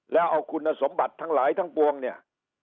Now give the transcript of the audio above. แล้วเอาคุณสมบัติทั้งหลายทั้งปวงเนี่ย